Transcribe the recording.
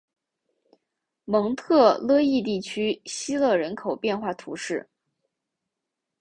蒙特勒伊地区希勒人口变化图示